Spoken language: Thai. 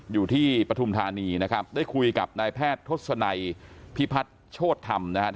ปฐุมธานีนะครับได้คุยกับนายแพทย์ทศนัยพิพัฒน์โชธธรรมนะครับ